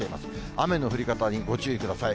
雨の降り方にご注意ください。